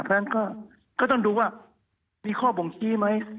เพราะฉะนั้นก็ต้องดูว่ามีข้อบ่งชี้ไหม